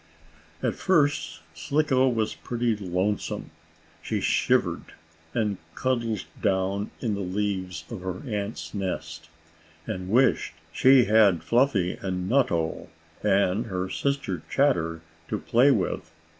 At first Slicko was pretty lonesome. She shivered, and cuddled down in the leaves of her aunt's nest, and wished she had her brothers Fluffy and Nutto, and her sister Chatter, to play with.